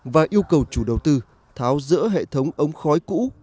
và yêu cầu chủ đầu tư tháo rỡ hệ thống ống khói cũ